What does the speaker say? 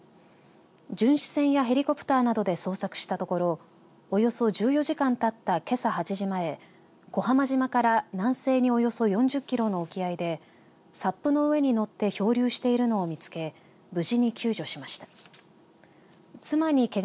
巡視船やヘリコプターなどで捜索したところおよそ１４時間たったけさ８時前小浜島から南西におよそ４０キロの沖合でＳＵＰの上に乗って漂流しているのを見つけ